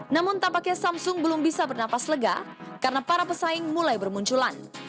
namun tampaknya samsung belum bisa bernapas lega karena para pesaing mulai bermunculan